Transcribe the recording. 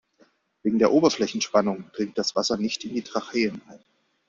Wegen der Oberflächenspannung dringt das Wasser nicht in die Tracheen ein.